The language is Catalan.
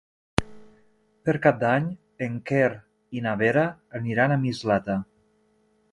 Per Cap d'Any en Quer i na Vera aniran a Mislata.